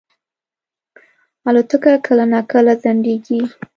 الوتکه کله ناکله ځنډېږي.